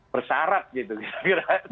bersyarat gitu kira kira